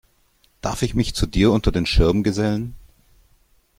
Darf ich mich zu dir unter den Schirm gesellen?